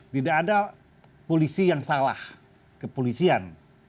tidak ada polisi yang salah kepolisian